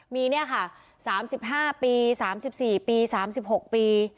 มี๓๕ปี๓๔ปี๓๖ปี